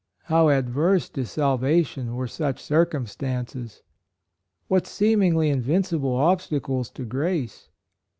How adverse to salvation were such circumstances! — what seem ingly invincible obstacles to grace